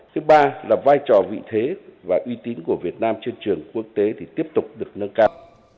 thứ ba là vai trò vị thế và uy tín của việt nam trên trường quốc tế thì tiếp tục được nâng cao